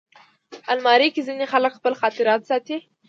الماري کې ځینې خلک خپل خاطرات ساتي